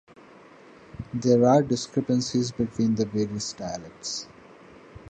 There are discrepancies between the various dialects.